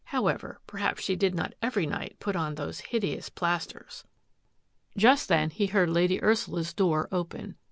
However, perhaps she did not every night put on those hideous plasters — Just then he heard Lady Ursula's door open.